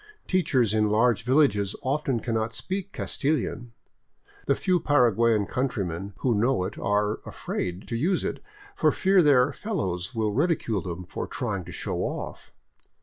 Teachers in large vil 602 SOUTHWARD THROUGH GUARANI LAND lages often cannot speak Castilian; the few Paraguayan countrymen who know it are '' afraid " to use it for fear their fellows will ridicule them for trying to show off.